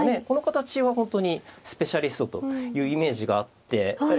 この形はほんとにスペシャリストというイメージがあって。